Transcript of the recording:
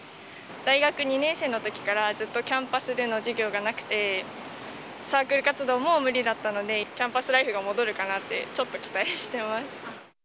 大学２年生のときから、ずっとキャンパスでの授業がなくて、サークル活動も無理だったので、キャンパスライフが戻るかなって、ちょっと期待してます。